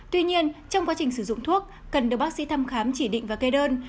tuy nhiên trong quá trình sử dụng thuốc cần được bác sĩ thăm khám chỉ định và kê đơn